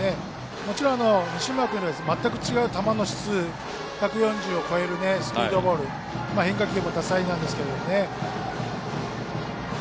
もちろん西村君のような全く違う球の質１４０を超えるスピードボール変化球も多彩なんですけどね。